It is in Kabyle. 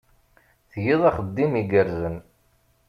Tgiḍ axeddim igerrzen.